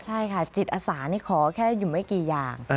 ใช่ค่ะจิตอาสานี่ขอแค่อยู่ไม่กี่อย่าง